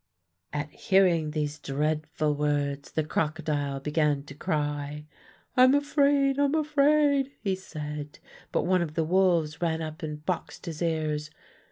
"At hearing these dreadful words, the crocodile began to cry. 'I'm afraid, I'm afraid,' he said. But one of the wolves ran up and boxed his ears.